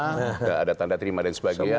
tidak ada tanda terima dan sebagainya